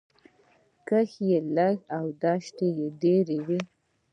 کښت یې لږ او دښت یې ډېر و